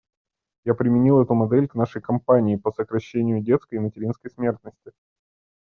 Я применил эту модель к нашей кампании по сокращению детской и материнской смертности.